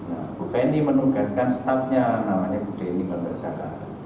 nah bu feni menunggaskan staffnya namanya bu deni pembesaran